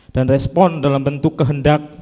dan respon dalam bentuk kehendak